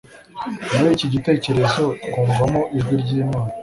Muri iki gitekerezo twumvamo ijwi ryImana